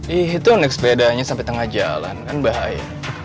ih itu next padanya sampai tengah jalan kan bahaya